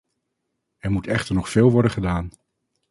Er moet echter nog veel worden gedaan.